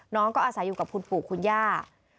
น้องก็อาศัยอยู่กับคุณปู่คุณย่า